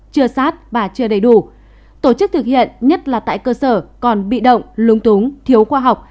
chưa sát và chưa đầy đủ tổ chức thực hiện nhất là tại cơ sở còn bị động lúng túng thiếu khoa học